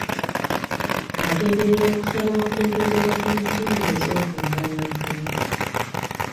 Agenderera okusaba okwongezebwa ku nsimbi ez'okwenkanyankanya.